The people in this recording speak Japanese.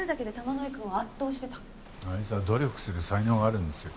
あいつは努力する才能があるんですよ。